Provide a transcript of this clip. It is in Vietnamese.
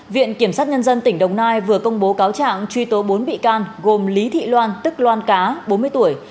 viện kiểm sát nhân dân tỉnh đồng nai vừa công bố cáo trạng truy tố bốn bị can gồm lý thị loan tức loan cá bốn mươi tuổi